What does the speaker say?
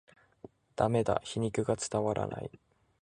ダメだ、皮肉が伝わらない